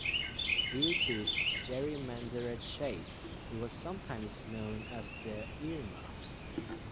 Due to its gerrymandered shape it was sometimes known as the earmuffs.